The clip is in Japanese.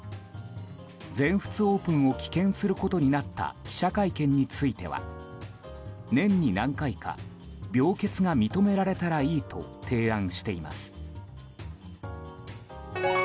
全仏オープンを棄権することになった記者会見については年に何回か病欠が認められたらいいと提案しています。